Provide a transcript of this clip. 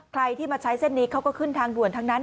ใครที่มาใช้เส้นนี้เขาก็ขึ้นทางด่วนทั้งนั้น